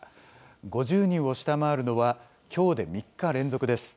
５０人を下回るのはきょうで３日連続です。